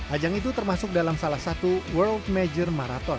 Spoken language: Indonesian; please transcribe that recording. ajang itu termasuk dalam salah satu world major marathon